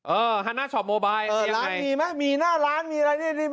เออฮันน่าช็อปโมไบล์มียังไงร้านมีมั้ยมีหน้าร้านมีอะไรนี่